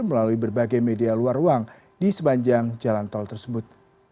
melalui berbagai media luar ruang di sepanjang jalan tol tersebut